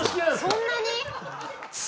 そんなに？